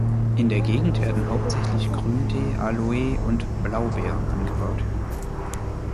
In der Gegend werden hauptsächlich Grüntee, Aloe und Blaubeeren angebaut.